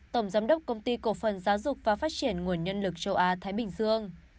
tổng giám đốc công ty cổ phần giáo dục và phát triển nguồn nhân lực châu á thái bình dương